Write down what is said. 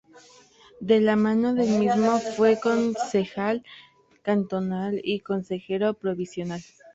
De la mano del mismo fue concejal cantonal y consejero provincial.